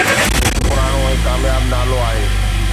هڪ پراڻو ۽ ڪامياب نالو آهي